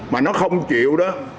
mà nó không chịu đó